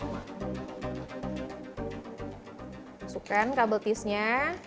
masukkan kabel pisnya